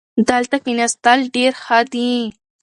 دلته کښېناستل ډېر ښه دي.